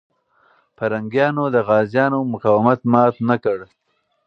پرنګیانو د غازيانو مقاومت مات نه کړ.